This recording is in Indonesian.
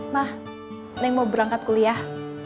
mah neng mau berangkat kuliah